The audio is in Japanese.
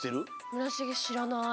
村重しらない。